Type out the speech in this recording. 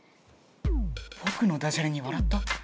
ぼくのダジャレに笑った？